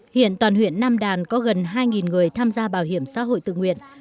hiện toàn huyện nam đàn có gần hai người tham gia bảo hiểm xã hội tự nguyện